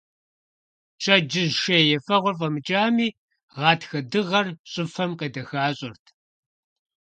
Пщэдджыжь шей ефэгъуэр фIэмыкIами, гъатхэ дыгъэр щIыфэм къедэхащIэрт.